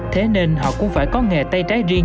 thế nên họ cũng phải có nghề tay trái riêng